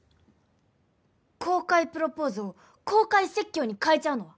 公開プロポーズを公開説教に変えちゃうのは？